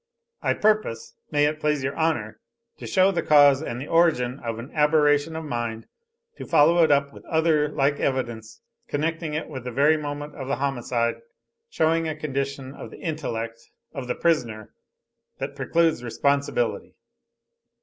I purpose, may, it please your Honor, to show the cause and the origin of an aberration of mind, to follow it up, with other like evidence, connecting it with the very moment of the homicide, showing a condition of the intellect, of the prisoner that precludes responsibility."